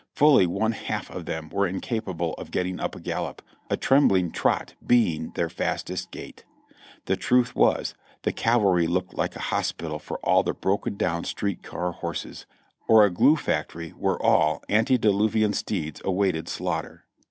Fully one half of them were incapable of getting up a gallop, a trembling trot being their fastest gait. The truth was, the cavalry looked like a hos pital for all the broken down street car horses ; or a glue factory where all antediluvian steeds awaited slaughter.